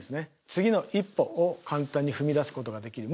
次の一歩を簡単に踏み出すことができる。